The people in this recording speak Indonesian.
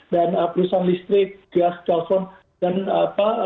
dan perusahaan listrik gas telpon dan apa